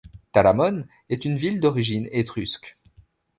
Talamone est une ville d'origine étrusque.